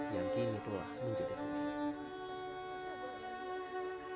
yang kini telah menjadi pemimpin